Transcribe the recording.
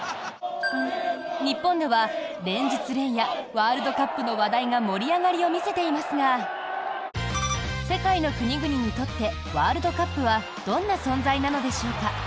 日本では、連日連夜ワールドカップの話題が盛り上がりを見せていますが世界の国々にとってワールドカップはどんな存在なのでしょうか？